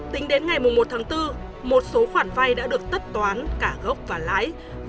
tính đến ngày một bốn một số khoản vay đã được tất toán cả gốc và lái